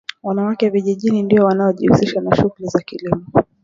wanawake vijijini ndio wanaojihusisha na shughuli za kilimo